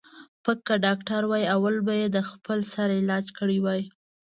ـ پک که ډاکتر وای اول به یې د خپل سر علاج کړی وای.